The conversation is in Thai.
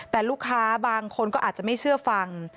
แต่ลูกค้าบางคนก็อาจจะไม่เชื่อฟัง